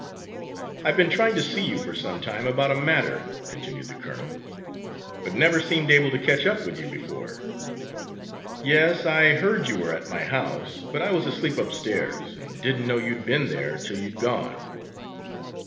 "I've been trying to see you for some time, about a matter," continued the colonel, "but never seemed able to catch up with you before." "Yes, I heard you were at my house, but I was asleep upstairs, and didn't know you'd be'n there till you'd gone."